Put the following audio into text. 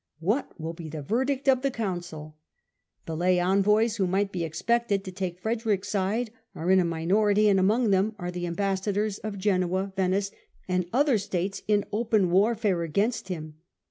What will be the verdict of the Council ? The lay envoys, who might be expected to take Frederick's side, are in a minority and among them are the ambassadors of Genoa, Venice and other states in open warfare against him.